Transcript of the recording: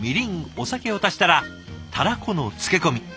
お酒を足したらたらこの漬け込み。